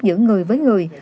giúp giữ người với người